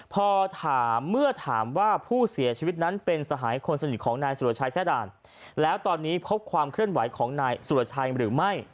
พอถามเมื่อถามว่าผู้เสียชีวิตนั้นเป็นสหายคนสนิทของนายสุรชัยแทร่ด่านแล้วตอนนี้พบความเคลื่อนไหวของนายสุรชัยหรือไม่